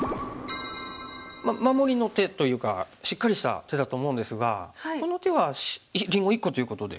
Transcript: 守りの手というかしっかりした手だと思うんですがこの手はりんご１個ということで。